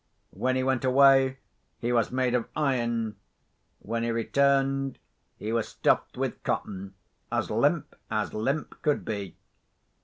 When he went away, he was made of iron. When he returned, he was stuffed with cotton, as limp as limp could be.